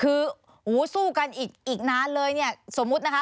คือสู้กันอีกนานเลยสมมุตินะคะ